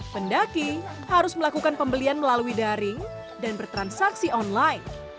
pendaki harus melakukan pembelian melalui daring dan bertransaksi online